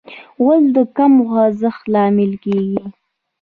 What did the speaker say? غول د کم خوځښت لامل کېږي.